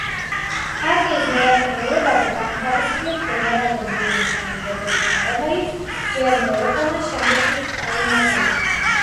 პარტიის მეათე ყრილობაზე გაათავისუფლეს გენერალური მდივნის თანამდებობიდან, რომელიც ჯერ მოლოტოვმა, შემდეგ კი სტალინმა დაიკავა.